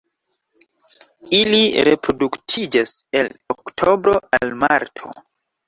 Ili reproduktiĝas el oktobro al marto.